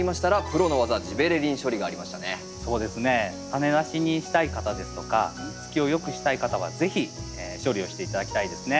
種無しにしたい方ですとか実つきを良くしたい方は是非処理をして頂きたいですね。